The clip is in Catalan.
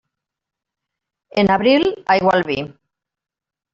En abril, aigua al vi.